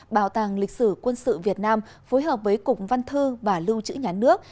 bảo tàng lịch sử quân sự việt nam phối hợp với cục văn thư và lưu chữ nhán nước